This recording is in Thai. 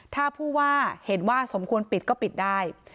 ถ้าผู้ว่าเห็นว่าสมควรปิดก็ปิดได้